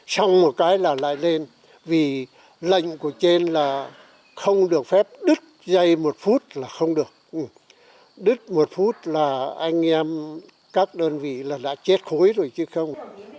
xong một cái là lại lên vì lệnh của trên là không được phép đứt dây một phút là không được đứt một phút là anh em các đơn vị là đã chết khối rồi chứ không